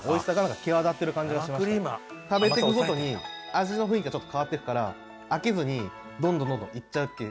食べていくごとに味の雰囲気が変わっていくから飽きずにどんどんどんどんいっちゃうっていう。